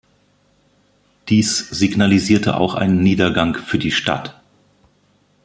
Dies signalisierte auch einen Niedergang für die Stadt.